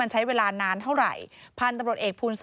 ใช้เวลานานเท่าไหร่